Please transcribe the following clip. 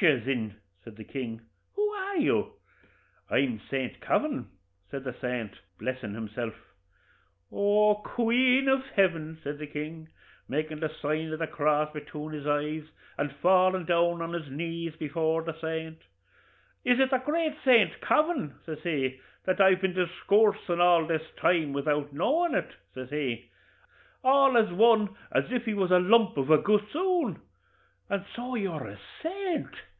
'Musha! thin,' says the king, 'who are you?' 'I'm Saint Kavin,' said the saint, blessin' himself. 'Oh, queen iv heaven!' says the king, makin' the sign 'o the crass betune his eyes, and fallin' down on his knees before the saint; 'is it the great Saint Kavin,' says he, 'that I've been discoorsin' all this time without knowin' it,' says he, 'all as one as if he was a lump iv a gossoon? and so you're a saint?'